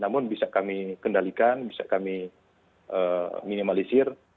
namun bisa kami kendalikan bisa kami minimalisir